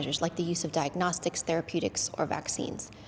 seperti penggunaan diagnostik teraputik atau vaksin